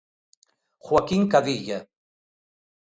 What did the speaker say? Joaquín Cadilla.